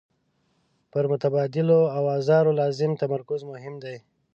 پر متبادلو اوزارو لازم تمرکز مهم دی.